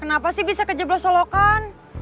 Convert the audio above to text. kenapa sih bisa ke jeblosolokan